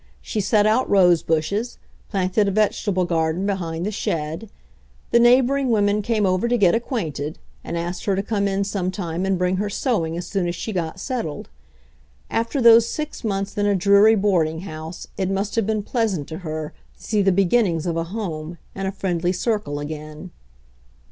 She set out rose bushes, planted a vegetable garden behind the shed. The neighboring women came over to get acquainted, and asked her to come in some time and bring her sewing as soon as she got settled. After those six months in a dreary boarding house it must have been pleasant to her to see the beginnings of a home and a friendly circle again.